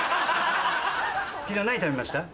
昨日何食べました？